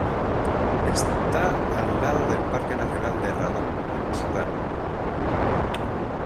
Está al lado del Parque Nacional de Radom en Sudán.